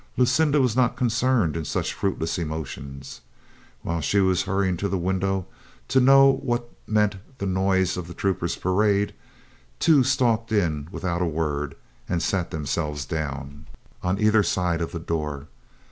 Lucinda was not concerned in such fruitless emo tions. While she was hurrying to the window to know what meant the noise of the troopers' parade, two stalked in and without a word sat themselves down on either side the door.